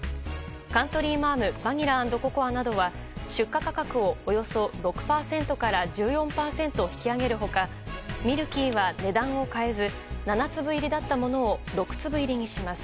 カントリーマアムバニラ＆ココアなどは出荷価格をおよそ６％から１４％引き上げる他、ミルキーは値段を変えず７粒入りだったものを６粒入りにします。